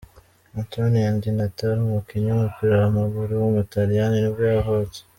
Antonio Di Natale, umukinnyi w’umupira w’amaguru w’umutaliyani nibwo yavutse.